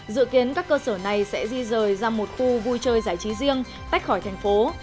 dự kiến các cơ sở này sẽ di rời ra một khu vui chơi giải trí riêng tách khỏi thành phố